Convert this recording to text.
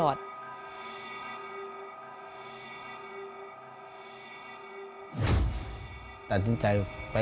พ่อลูกรู้สึกปวดหัวมาก